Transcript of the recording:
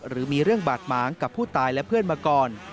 หรือมีเรื่องบาดหมางกับผู้ตายและเพื่อนมาก่อน